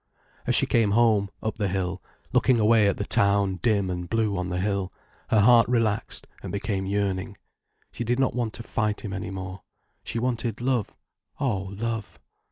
As she came home, up the hill, looking away at the town dim and blue on the hill, her heart relaxed and became yearning. She did not want to fight him any more. She wanted love—oh, love.